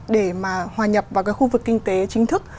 để mà hòa nhập vào cái khu vực kinh tế chính thức